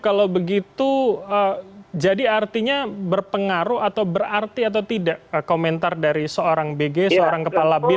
kalau begitu jadi artinya berpengaruh atau berarti atau tidak komentar dari seorang bg seorang kepala bin